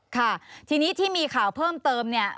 ค่ะทีนี้ที่มีข่าวเพิ่มเติมเนี่ย